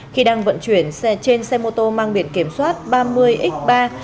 khi đang vận chuyển xe trên xe mô tô mang biển kiểm soát ba mươi x ba năm nghìn tám trăm hai mươi bảy